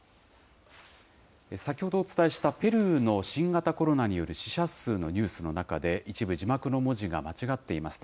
先ほどお伝えしたペルーの新型コロナによる死者数のニュースの中で、一部字幕の文字が間違っていました。